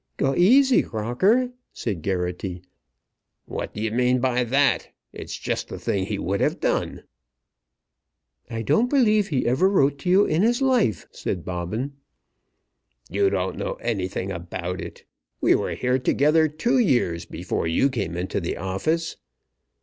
"Go aisy, Crocker," said Geraghty. "What do you mean by that? It's just the thing he would have done." "I don't believe he ever wrote to you in his life," said Bobbin. "You don't know anything about it. We were here together two years before you came into the office.